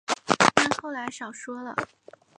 但后来少说了